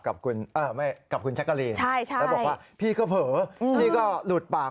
กับคุณแจ๊กกะลีนแล้วบอกว่าพี่ก็เผลอพี่ก็หลุดปาก